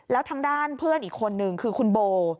แล้วทางด้านเพื่อนอีกคนนึงคือคุณโบ